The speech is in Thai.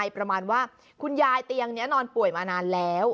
ประมาณว่าคุณยายเตียงนี้นอนป่วยมานานแล้ว